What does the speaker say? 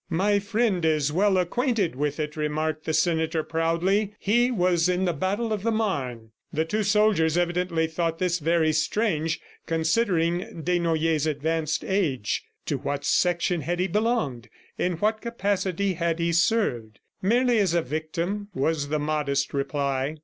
"My friend is well acquainted with it," remarked the senator proudly. "He was in the battle of the Marne." The two soldiers evidently thought this very strange, considering Desnoyers' advanced age. To what section had he belonged? In what capacity had he served? ... "Merely as a victim," was the modest reply.